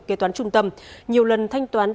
kế toán trung tâm nhiều lần thanh toán